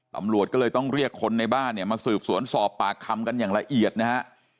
ตำรวจก็เลยต้องเรียกคนในบ้านเนี่ยมาสืบสวนสอบปากคำกันอย่างละเอียดนะฮะ